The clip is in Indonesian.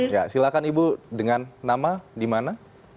ya silahkan ibu dengan nama dimana